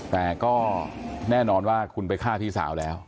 แต่ก็แน่นอนว่าคุณไปฆ่าพี่สาวแล้ว